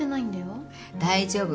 大丈夫。